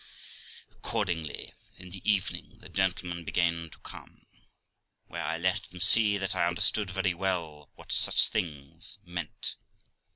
Accordingly, in the evening, the gentlemen began to come, where I let them see that I understood very well what such things meant.